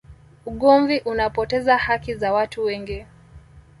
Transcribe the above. ugomvi unapoteza haki za watu wengi